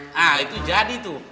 nah itu jadi tuh